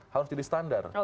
harus jadi standar